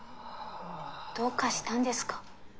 どうかしたんですか？